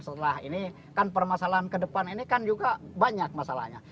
setelah ini kan permasalahan ke depan ini kan juga banyak masalahnya